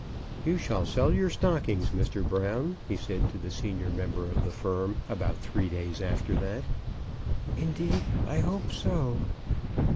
"You shall sell your stockings, Mr. Brown," he said to the senior member of the firm, about three days after that. "Indeed, I hope so."